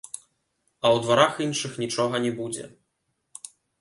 А ў дварах іншых нічога не будзе.